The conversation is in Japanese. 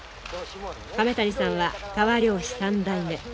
亀谷さんは川漁師３代目。